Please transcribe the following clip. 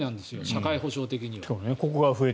社会保障的には。